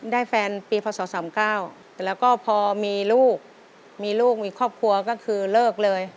แฟนปีพศ๓๙แล้วก็พอมีลูกมีลูกมีครอบครัวก็คือเลิกเลย